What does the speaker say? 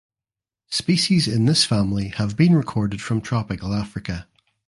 Species in this family have been recorded from Tropical Africa.